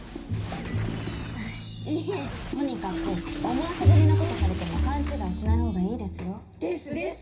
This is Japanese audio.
いえとにかく思わせぶりなことされても勘違いしないほうがいいですよですです！